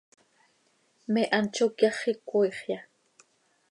¿Me hant zó cyaxi cömooixya?